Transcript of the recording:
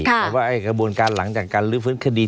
แต่ว่ากระบวนการหลังจากการลื้อฟื้นคดี